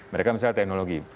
mereka misalnya teknologi